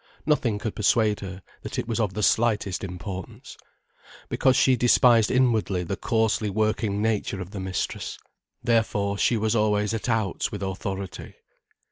Nothing could persuade her that it was of the slightest importance. Because she despised inwardly the coarsely working nature of the mistress. Therefore she was always at outs with authority.